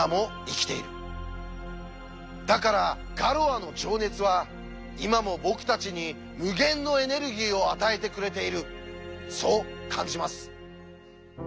だからガロアの情熱は今も僕たちに無限のエネルギーを与えてくれているそう感じます。